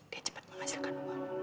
dia cepet menghasilkan uang